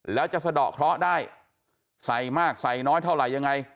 แล้วจะสะดอกเคราะห์ได้ใส่มากใส่น้อยเท่าไหร่ยังไง